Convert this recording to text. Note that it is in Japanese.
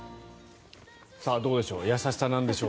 どうでしょう。